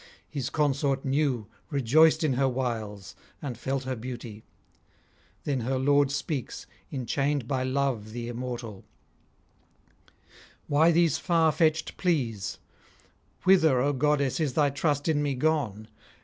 His consort knew, rejoiced in her wiles, and felt her beauty. Then her lord speaks, enchained by Love the immortal: 'Why these far fetched pleas? Whither, O goddess, is thy trust in me gone?